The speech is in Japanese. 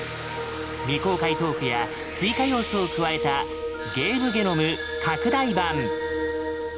未公開トークや追加要素を加えた「ゲームゲノム」拡大版。